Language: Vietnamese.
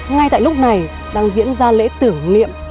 ngay tại lúc này đang diễn ra lễ tưởng niệm